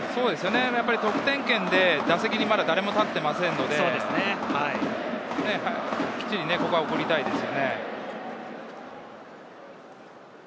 得点圏でまだ打席に誰も立っていないので、きっちりここは送りたいですよね。